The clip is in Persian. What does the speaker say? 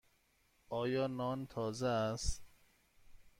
آیا نان تازه است؟